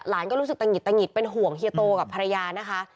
ก็รู้สึกตะหิดตะหิดเป็นห่วงเฮียโตกับภรรยานะคะ